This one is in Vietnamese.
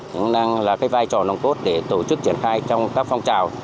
cũng đang là cái vai trò nòng cốt để tổ chức triển khai trong các phong trào